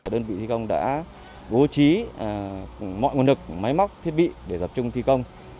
đơn vị thi công đã bố trí mọi nguồn lực máy móc thiết bị để tập trung thi công